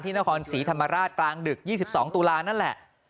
นครศรีธรรมราชกลางดึก๒๒ตุลานั่นแหละ